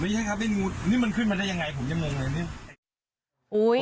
ไม่ใช่ครับนี่งูนี่มันขึ้นมาได้ยังไงผมยังงงเลยเนี่ย